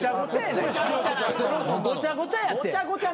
ごちゃごちゃやない。